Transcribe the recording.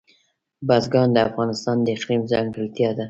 بزګان د افغانستان د اقلیم ځانګړتیا ده.